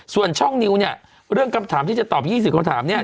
ส่วนช่องนิวเนี่ยเรื่องคำถามที่จะตอบ๒๐คำถามเนี่ย